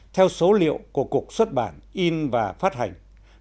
theo số liệu của cục xuất bản in và phát hành